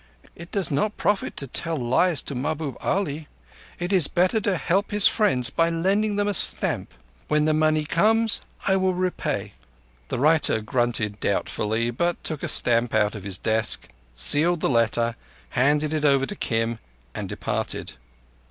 "It does not profit to tell lies to Mahbub Ali. It is better to help his friends by lending them a stamp. When the money comes I will repay." The writer grunted doubtfully, but took a stamp out of his desk, sealed the letter, handed it over to Kim, and departed.